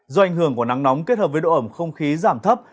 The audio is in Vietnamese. do ảnh hưởng của nắng nóng kết hợp với độ ẩm không khí giảm thấp